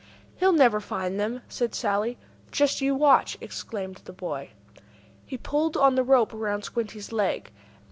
"He'll never find them!" said Sallie. "Just you watch!" exclaimed the boy. He pulled on the rope around Squinty's leg.